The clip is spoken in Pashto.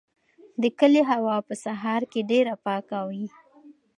د کلي هوا په سهار کې ډېره پاکه وي.